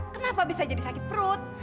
kenapa bisa jadi sakit perut